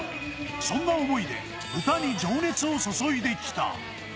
そんな想いで歌に情熱を注いできた。